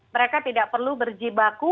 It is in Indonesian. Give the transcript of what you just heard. mereka tidak perlu berjibaku